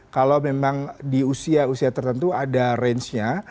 kalau memang di usia usia tertentu ada range nya